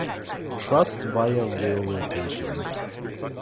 Thrust via wheel rotation.